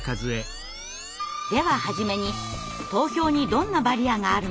では初めに投票にどんなバリアがあるのか？